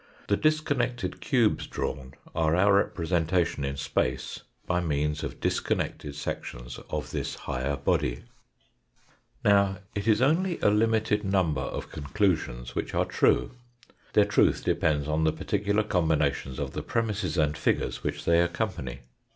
The dis connected cubes drawn are our representation in space by means of disconnected sections of this higher body. THE USE OF FOUR DIMENSIONS IN THOUGHT 101 Now it is only a limited number of conclusions which are true their truth depends on the particular combina tions of the premisses and figures which they accompany.